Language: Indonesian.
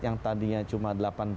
yang tadinya cuma delapan belas